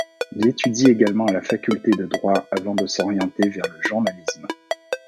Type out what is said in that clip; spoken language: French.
Il étudie également à la Faculté de droit avant de s'orienter vers le journalisme.